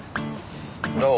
どう？